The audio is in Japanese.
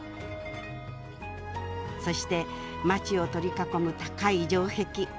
そして街を取り囲む高い城壁。